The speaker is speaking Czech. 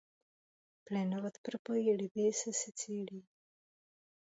Plynovod propojí Lybii a Sicílii.